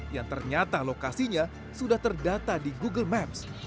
yang ternyata lokasinya sudah terdata di google maps